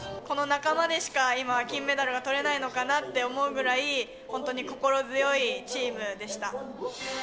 この仲間でしか今、金メダルがとれないのかなって思うぐらい、本当に心強いチームでした。